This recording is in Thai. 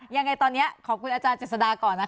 ยังไงตอนนี้ขอบคุณอาจารย์เจษฎาก่อนนะคะ